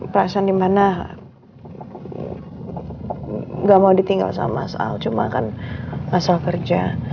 perasaan dimana nggak mau ditinggal sama mas al cuma akan asal kerja